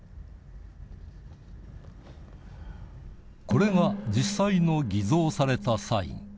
これが実際の偽造されたサイン